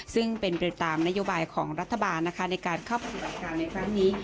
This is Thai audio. ซึ่งเป็นไปตามนโยบายของรัฐบาลนะคะในการเข้าปฏิบัติการในครั้งนี้